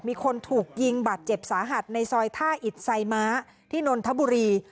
มีคนถูกยิงบาดเจ็บสาหัสในซอยท่าอิดไซม้าที่นนทบุรี